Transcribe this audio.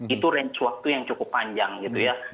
itu range waktu yang cukup panjang gitu ya